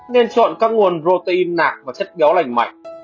nên chọn các nguồn protein nạc và chất béo lạnh mạnh